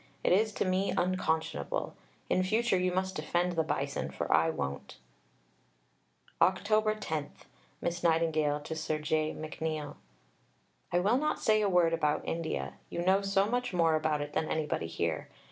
It is to me unconscionable. In future you must defend the Bison, for I won't. Oct. 10 (Miss Nightingale to Sir J. McNeill). I will not say a word about India. You know so much more about it than anybody here.